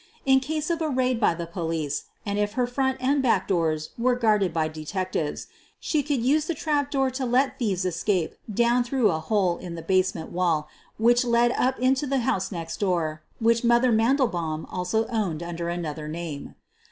In case of a raid by the police, and if her front and back doors were guarded by detectives, she could use the trap door to let thieves escape down through' a hole in the basement wall which led up into the house next door, which " Mother' ' Mandelbaum also owned under another name.